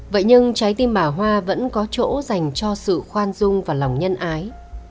vậy nhưng trái tim bà hoa vẫn có chỗ dành cho sự khoan dung và lòng nhân ái